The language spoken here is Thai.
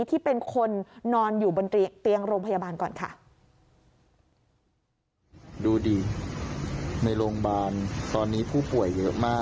ที่เป็นคนนอนอยู่บนเตียงโรงพยาบาลก่อนค่ะ